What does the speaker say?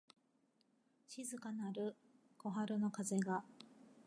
静かなる小春の風が、杉垣の上から出たる梧桐の枝を軽く誘ってばらばらと二三枚の葉が枯菊の茂みに落ちた